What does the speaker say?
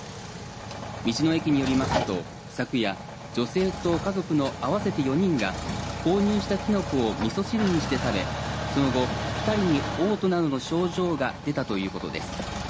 道の駅によりますと昨夜女性と家族の合わせて４人が購入したきのこをみそ汁にして食べその後２人におう吐などの症状が出たということです。